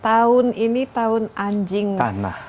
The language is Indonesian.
tahun ini tahun anjing